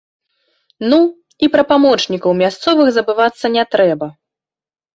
Ну, і пра памочнікаў мясцовых забывацца не трэба.